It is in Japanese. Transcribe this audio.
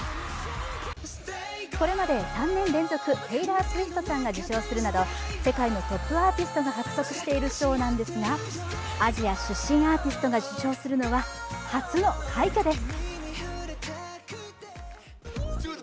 これまで３年連続テイラー・スウィフトさんが受賞するなど、世界のトップアーティストが獲得している賞なんですが、アジア出身アーティストが受賞するのは初の快挙です。